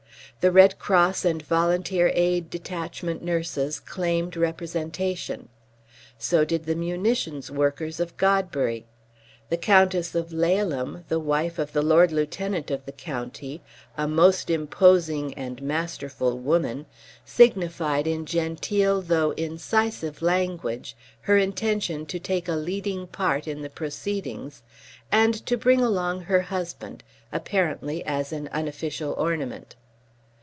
The Red Cross and Volunteer Aid Detachment Nurses claimed representation. So did the munitions workers of Godbury. The Countess of Laleham, the wife of the Lord Lieutenant of the County, a most imposing and masterful woman, signified (in genteel though incisive language) her intention to take a leading part in the proceedings and to bring along her husband, apparently as an unofficial ornament.